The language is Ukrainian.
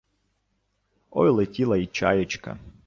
Ой летіла й чаєчка